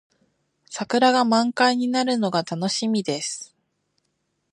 桜が満開になるのが楽しみです。